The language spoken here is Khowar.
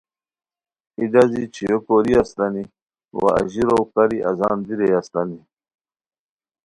ای ڈازی چھویو کوری استانی وا اژیرو کاری آذان دی رے استانی